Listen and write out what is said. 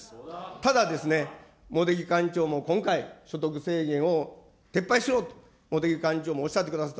ただですね、茂木幹事長も今回、所得制限を撤廃しようと、茂木幹事長もおっしゃってくださった。